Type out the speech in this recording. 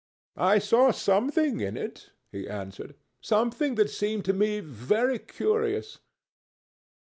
"I saw something in it," he answered, "something that seemed to me very curious."